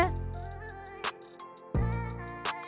terus lanjut cumi mercon